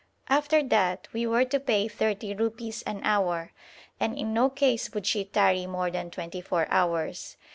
After that we were to pay thirty rupees an hour, and in no case would she tarry more than twenty four hours.